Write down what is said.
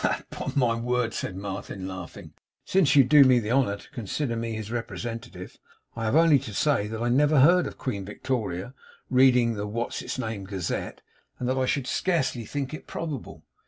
'Upon my word,' cried Martin, laughing, 'since you do me the honour to consider me his representative, I have only to say that I never heard of Queen Victoria reading the What's his name Gazette and that I should scarcely think it probable.